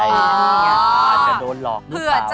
อ๋ออาจจะโดนหลอกหรือเปล่าเขาไม่รู้เผื่อใจป่ะ